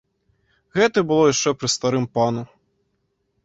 Гэта было яшчэ пры старым пану.